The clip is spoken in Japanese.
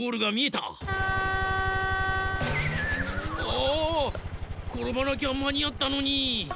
あころばなきゃまにあったのに！